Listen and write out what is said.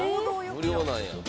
無料なんや。